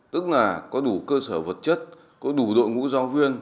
tức là có đủ cơ sở vật chất có đủ đội ngũ giáo viên